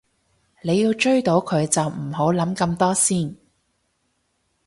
你要追到佢就唔好諗咁多先